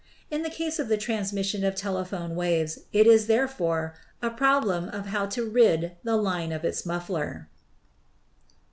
In the case of the transmission of telephone waves it is, therefore, a problem of how to rid the line of its muffler.